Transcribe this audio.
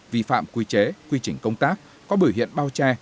vi phạm quy chế quy trình công tác có bửu hiện bao che